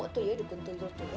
pok tol ya dukun telur tol ya